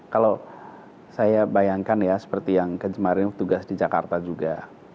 kalau saya bayangkan ya seperti yang kemarin tugas di jakarta juga